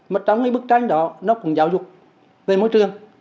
mà trong cái bức tranh đó nó cũng giáo dục về môi trường